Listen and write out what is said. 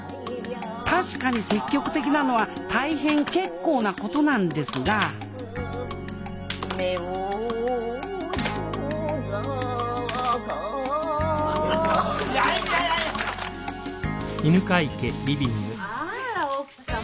確かに積極的なのは大変結構なことなんですが「夫婦坂」あら奥様